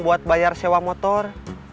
buat bayar sewa motor